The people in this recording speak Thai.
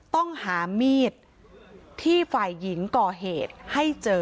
ต้องหามีดที่ฝ่ายหญิงก่อเหตุให้เจอ